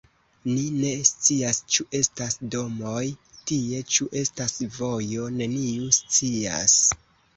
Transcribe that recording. Ni ne scias, ĉu estas domoj tie, ĉu estas vojo. Neniu scias.